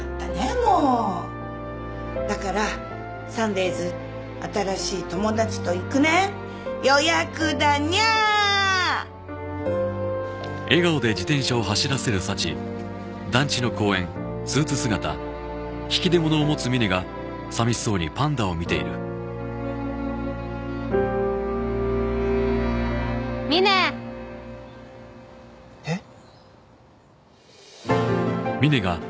もうだからサンデイズ新しい友達と行くね予約だにゃみねえっ？